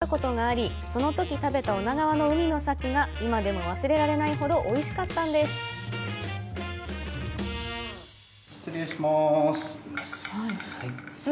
以前、一度、来たことがあり、そのとき食べた女川の海の幸が今でも忘れられないほどおいしかったんです！